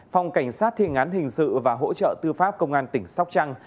phòng cảnh sát thiên án hình sự và hỗ trợ tư pháp công an tỉnh sóc trăng